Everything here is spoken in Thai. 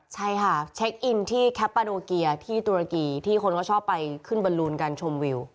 ใช่ค่ะเช็คอินที่แคปปาโนเกียที่ตุรกีที่คนก็ชอบไปขึ้นบอลลูนการชมวิว